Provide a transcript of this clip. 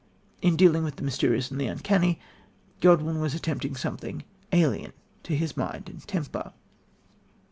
In dealing with the mysterious and the uncanny, Godwin was attempting something alien to his mind and temper.